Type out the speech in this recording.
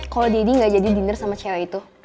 kalo daddy gak jadi dinner sama cewek itu